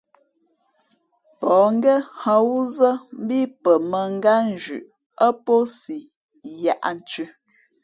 Pα̌h ngén hᾱ wúzά mbí pαmάngátnzhʉꞌ ά pō si yāʼnthʉ̄.